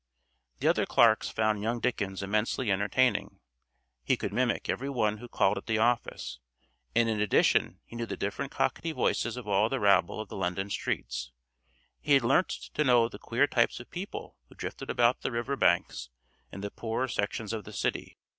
The other clerks found young Dickens immensely entertaining. He could mimic every one who called at the office, and in addition he knew the different cockney voices of all the rabble of the London streets. He had learnt to know the queer types of people who drifted about the river banks and the poorer sections of the city.